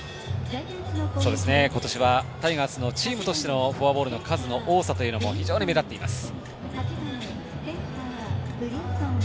今年は、タイガースのチームとしてのフォアボールの数の多さというのも非常に目立っています。